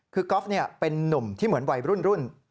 คือก๊อฟเป็นนุ่มที่เหมือนวัยรุ่น